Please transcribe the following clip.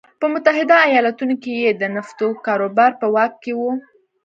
په متحده ایالتونو کې یې د نفتو کاروبار په واک کې و.